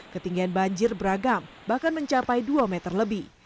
ketinggian banjir beragam bahkan mencapai dua meter lebih